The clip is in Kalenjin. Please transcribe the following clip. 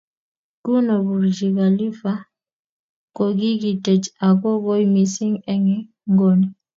Nguno Burj Khalifa kogigitech ako koi mising eng ngony